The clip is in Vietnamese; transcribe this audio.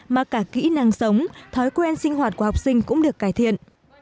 mà cả kỹ năng sống thói quen sinh hoạt của học sinh cũng được cải thiện